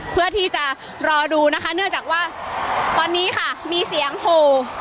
เพื่อที่จะรอดูนะคะเนื่องจากว่าตอนนี้ค่ะมีเสียงโห